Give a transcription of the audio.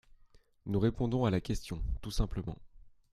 Nous répondons à la question, tout simplement.